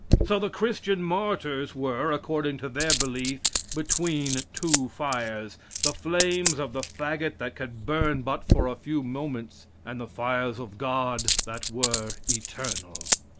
So the Christian martyrs were, according to their belief, between two fires the flames of the fagot that could burn but for a few moments and the fires of God, that were eternal.